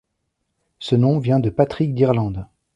Ce nom vient de Patrick d'Irlande.